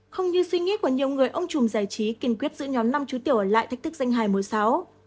không như suy nghĩ của nhiều người ông chùm giải trí kiên quyết giữ nhóm năm chú tiểu ở lại thách thức danh hài mùa sáu